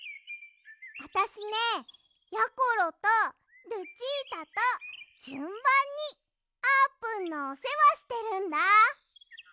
あたしねやころとルチータとじゅんばんにあーぷんのおせわしてるんだ。